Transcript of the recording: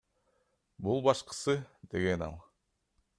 Бул башкысы, — деген ал.